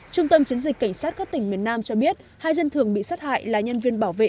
trung tâm chiến dịch cảnh sát các tỉnh miền nam cho biết hai dân thường bị sát hại là nhân viên bảo vệ